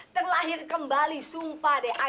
terlahir kembali sumpah deh